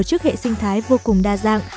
trước hệ sinh thái vô cùng đa dạng